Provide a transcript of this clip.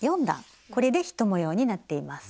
これで１模様になっています。